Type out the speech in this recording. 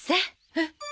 えっ？